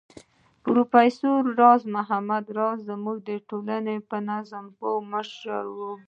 پروفېسر راز محمد راز زموږ د ټولنې په نبض پوه مشر و